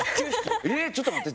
ちょっと待って。